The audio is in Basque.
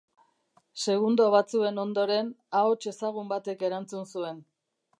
Segundo batzuen ondoren, ahots ezagun batek erantzun zuen.